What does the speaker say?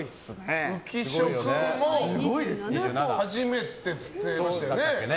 浮所君も初めてって言ってましたよね。